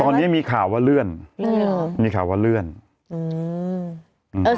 ตอนนี้มีข่าวว่าเลื่อนอืมมีข่าวว่าเลื่อนอืมอืม